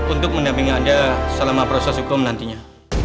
untuk mendampingi anda selama proses hukum nantinya